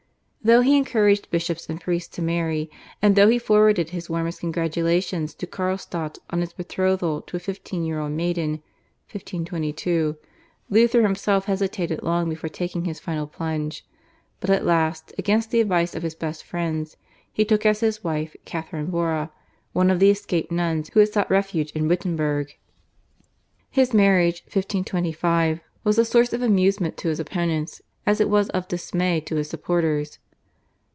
Though he encouraged bishops and priests to marry, and though he forwarded his warmest congratulations to Carlstadt on his betrothal to a fifteen year old maiden (1522), Luther himself hesitated long before taking his final plunge; but at last, against the advice of his best friends, he took as his wife Catherine Bora, one of the escaped nuns who had sought refuge in Wittenberg. His marriage (1525) was a source of amusement to his opponents as it was of dismay to his supporters.